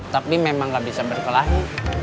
tapi memang nggak bisa berkelahi